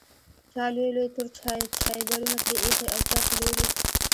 چا لوی لوی تور چایبرونه پرې ایښي او چای پلوري.